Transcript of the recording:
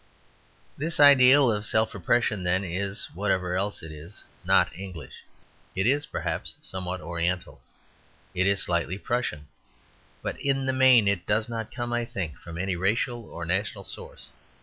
This ideal of self repression, then, is, whatever else it is, not English. It is, perhaps, somewhat Oriental, it is slightly Prussian, but in the main it does not come, I think, from any racial or national source.